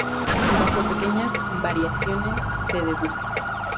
Bajo pequeñas variaciones, se deduce